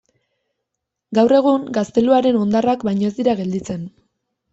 Gaur egun gazteluaren hondarrak baino ez dira gelditzen.